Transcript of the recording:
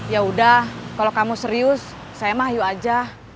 ya udah kalau kamu serius saya mah yuk aja